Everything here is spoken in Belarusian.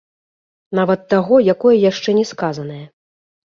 Нават таго, якое яшчэ не сказанае.